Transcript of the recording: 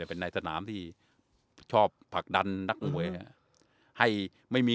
เป็นไหนตอนนั้นที่ชอบผลักดันได้ไหมไม่มี